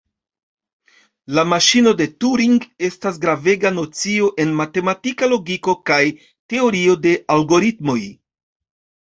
La maŝino de Turing estas gravega nocio en matematika logiko kaj teorio de algoritmoj.